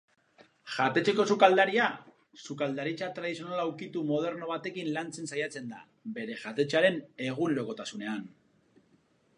Jatetxeko sukaldaria sukaldaritza tradizionala ukitu moderno batekin lantzen saiatzen da bere jatetxearen egunerokotasunean.